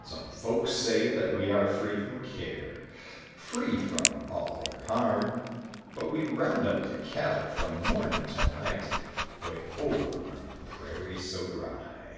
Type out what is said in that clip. Some folks say that we are free from care, Free from all other harm; But we round up the cattle from morning till night Way over on the prairie so dry.